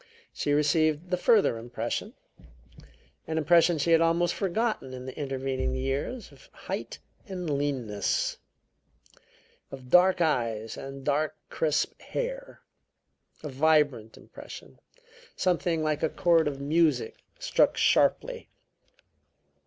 She received the further impression, an impression she had almost forgotten in the intervening years, of height and leanness, of dark eyes, and dark, crisp hair; a vibrant impression; something like a chord of music struck sharply.